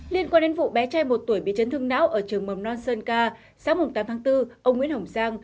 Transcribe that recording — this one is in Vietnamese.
liên quan đến vụ bé trai một tuổi bị chấn thương não ở trường mầm non sơn ca sáng tám tháng bốn ông nguyễn hồng giang